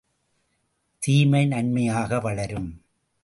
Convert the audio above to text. தீமை நன்மையாக வளரும்!